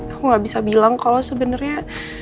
aku gak bisa bilang kalau sebenarnya